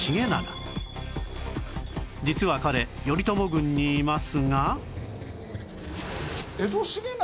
実は彼頼朝軍にいますが